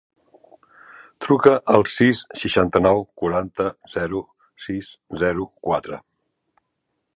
Truca al sis, seixanta-nou, quaranta, zero, sis, zero, quatre.